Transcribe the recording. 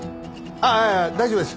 ああ大丈夫です。